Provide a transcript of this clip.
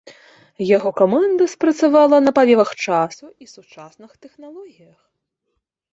Яго каманда спрацавала на павевах часу і сучасных тэхналогіях.